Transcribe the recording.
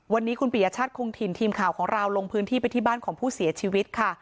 วันนี้คุณปียชาติคงถิ่นทีมข่าวของเราลงพื้นที่ไปที่บ้านของผู้เสียชีวิตค่ะ